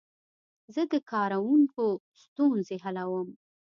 زه د کاروونکو ستونزې حلوم.